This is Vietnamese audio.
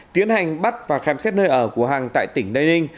tiến hành bắt và khám xét nơi ở của hằng tại tỉnh tây ninh